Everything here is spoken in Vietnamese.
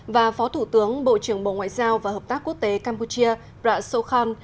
và phó thủ tướng bộ trưởng bộ ngoại giao và hợp tác quốc tế campuchia prasokhan